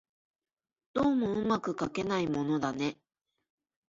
どうも巧くかけないものだね